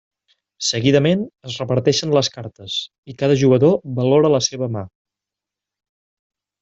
Seguidament, es reparteixen les cartes, i cada jugador valora la seva mà.